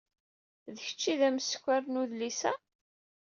D kečč ay d ameskar n udlis-a?